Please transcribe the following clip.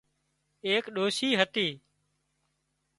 ايڪ ڏوشي هتي